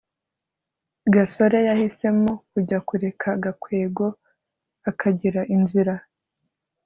gasore yahisemo kujya kureka gakwego akagira inzira